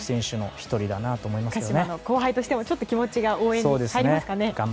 鹿島の後輩としてもちょっと気持ちが応援入りますよね。